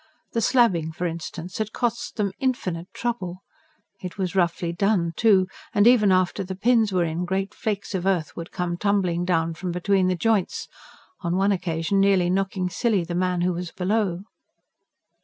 The slabbing, for instance, had cost them infinite trouble; it was roughly done, too, and, even after the pins were in, great flakes of earth would come tumbling down from between the joints, on one occasion nearly knocking silly the man who was below.